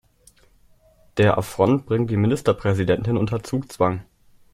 Der Affront bringt die Ministerpräsidentin unter Zugzwang.